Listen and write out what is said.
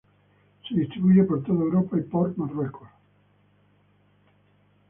Se distribuye por toda Europa y por Marruecos.